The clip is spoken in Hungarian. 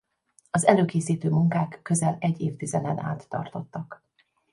Az előkészítő munkák közel egy évtizeden át tartottak.